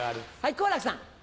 好楽さん。